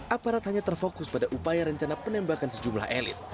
aparat hanya terfokus pada upaya rencana penembakan sejumlah elit